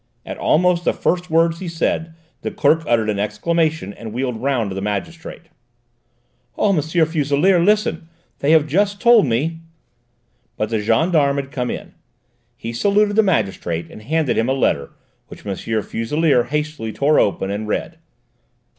At almost the first words he said, the clerk uttered an exclamation and wheeled round to the magistrate. "Oh, M. Fuselier, listen! They have just told me " But the gendarme had come in. He saluted the magistrate and handed him a letter which M. Fuselier hastily tore open and read.